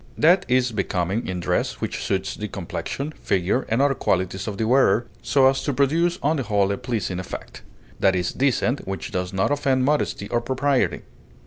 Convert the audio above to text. That is becoming in dress which suits the complexion, figure, and other qualities of the wearer, so as to produce on the whole a pleasing effect. That is decent which does not offend modesty or propriety.